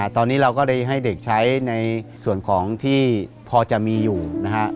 ตอนนี้เราก็เลยให้เด็กใช้ในส่วนของที่พอจะมีอยู่นะฮะ